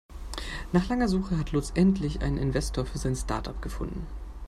Nach langer Suche hat Lutz endlich einen Investor für sein Startup gefunden.